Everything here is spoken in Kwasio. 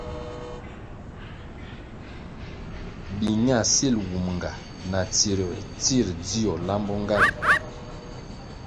Biña sil wumga na tsirųer tsir dzio lambo nga ri.